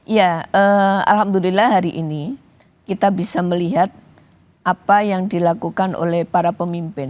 ya alhamdulillah hari ini kita bisa melihat apa yang dilakukan oleh para pemimpin